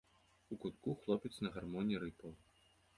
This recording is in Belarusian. У кутку хлопец на гармоні рыпаў.